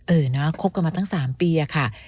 เออนะคบกันมาตั้ง๓ปีอะค่ะ